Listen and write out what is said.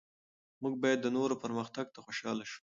موږ باید د نورو پرمختګ ته خوشحال شو.